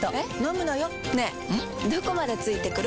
どこまで付いてくる？